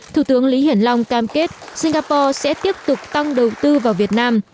thủ tướng lý hiển long cam kết singapore sẽ tiếp tục tăng đầu tư vào việt nam